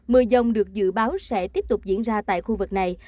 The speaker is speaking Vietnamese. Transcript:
mưa dông được dự báo sẽ tiếp tục diễn ra tại khu vực này